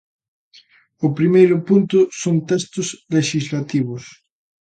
O primeiro punto son textos lexislativos.